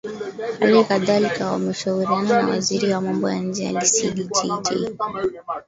hali kadhalika wameshauriana na waziri wa mambo ya nje ali sidi jj